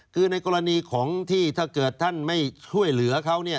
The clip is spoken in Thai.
คือในกรณีของที่ถ้าเกิดท่านไม่ช่วยเหลือเขาเนี่ย